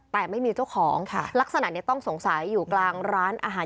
แต่ไม่มีเจ้าของค่ะลักษณะนี้ต้องสงสัยอยู่กลางร้านอาหาร